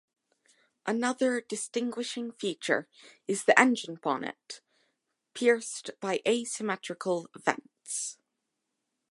Another distinguishing feature is the engine bonnet, pierced by asymmetrical vents.